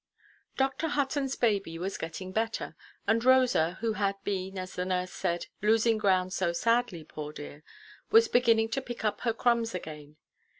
Dr. Huttonʼs baby was getting better, and Rosa, who had been, as the nurse said, "losing ground so sadly, poor dear," was beginning to pick up her crumbs again.